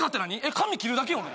髪切るだけよね？